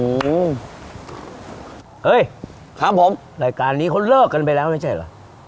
อืมครับผมรายการนี้คนเลิกกันไปแล้วไม่ใช่หรอ